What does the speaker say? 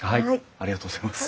ありがとうございます。